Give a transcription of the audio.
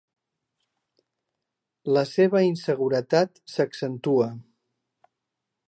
La seva inseguretat s'accentua.